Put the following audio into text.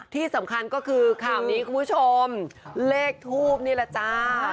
ที่สำคัญก็คือข่าวนี้คุณผู้ชมเลขทูปนี่แหละจ้า